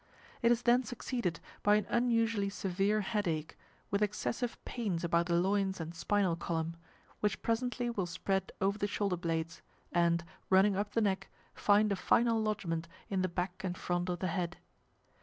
It is then succeeded by an unusually severe headache, with excessive pains about the loins and spinal column, which presently will spread over the shoulder blades, and, running up the neck, find a final lodgment in the back and front of the head.